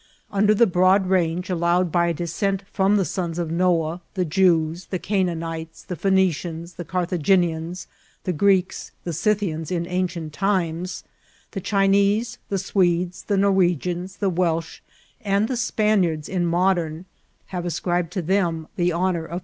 Under the broad range allow ed by a descent from the sons of Noah, t}ie Jews, the Canaanites, the Phoenicians, the Carthaginians, the Oreeks, the Scythians in ancient times ; the Chinese, the Swedes, the Norwegians, the Welsh, and the Span iards in modern, have had ascribed to them the honour eobbrtson'b account faultt.